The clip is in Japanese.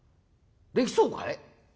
できそうかい？」。